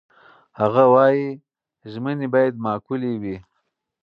هغه وايي، ژمنې باید معقولې وي.